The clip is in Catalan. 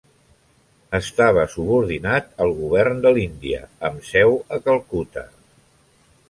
Estava subordinat al govern de l'Índia amb seu a Calcuta.